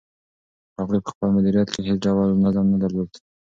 هغوی په خپل مدیریت کې هیڅ ډول نظم نه درلود.